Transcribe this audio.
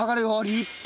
立派！